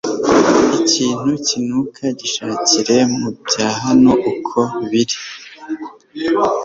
Ikintu kinuka gishakire mu bya hano uko biri